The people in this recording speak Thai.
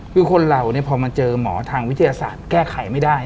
คือคนเราพอมาเจอหมอทางวิทยาศาสตร์แก้ไขไม่ได้